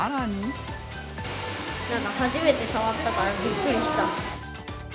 なんか、初めて触ったからびっくりした。